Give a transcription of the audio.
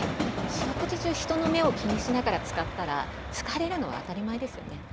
四六時中人の目を気にしながら使ったら疲れるのは当たり前ですよね。